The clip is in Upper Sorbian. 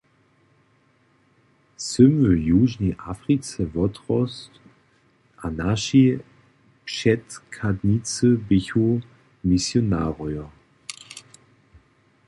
Sym w Južnej Africe wotrostł a naši předchadnicy běchu misionarojo.